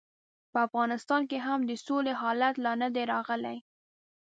په افغانستان کې هم د سولې حالت لا نه دی راغلی.